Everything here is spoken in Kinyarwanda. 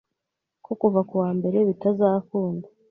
ko kuva kuwa mbere bitazakunda